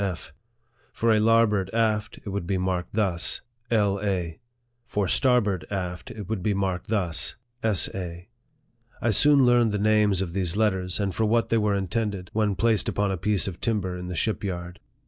F." For lar board aft, it would be marked thus " L. A." For starboard aft, it would be marked thus " S. A." 1 soon learned the names of these letters, and for what they were intended when placed upon a piece of tim ber in the ship yard.